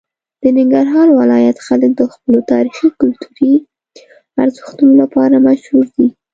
د ننګرهار ولایت خلک د خپلو تاریخي او کلتوري ارزښتونو لپاره مشهور دي.